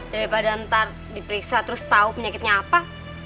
daripada ntar diperiksa terus tahu penyakitnya apa